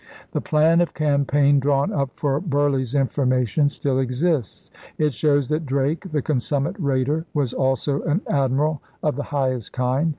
The plan of campaign drawn up for Burleigh's information still exists. It shows that Drake, the consummate raider, was also an admiral of the high est kind.